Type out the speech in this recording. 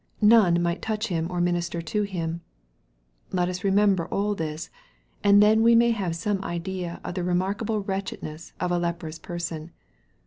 None might touch him or minister to him. Let us remember all this, and then we may have some idea of the remarkable wretchedness of a leprous person.